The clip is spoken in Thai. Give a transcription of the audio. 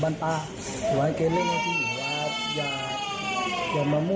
วันนี้ทีมข่าวไทยรัฐทีวีไปสอบถามเพิ่ม